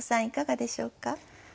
いかがでしょうか？